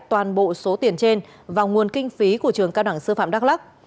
toàn bộ số tiền trên vào nguồn kinh phí của trường cao đẳng sư phạm đắk lắc